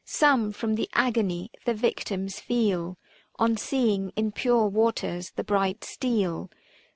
Some from the Agony the victims feel On seeing in pure waters the bright steel.